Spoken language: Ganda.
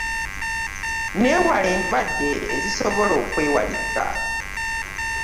Weewale endwadde ezisobola okwewalika.